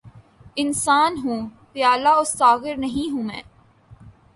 انسان ہوں‘ پیالہ و ساغر نہیں ہوں میں!